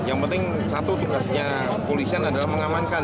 yang penting satu tugasnya polisian adalah mengamankan